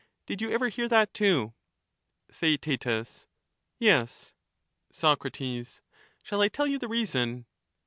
Did you ever hear that too ? Theaet. Yes. Soc, Shall I tell you the reason